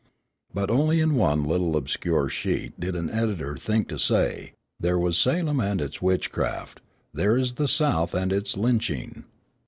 But only in one little obscure sheet did an editor think to say, "There was Salem and its witchcraft; there is the south and its lynching.